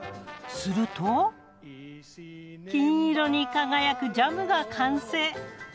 すると金色に輝くジャムが完成。